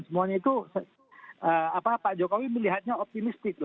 semuanya itu pak jokowi melihatnya optimistik